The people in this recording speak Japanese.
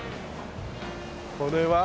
これは？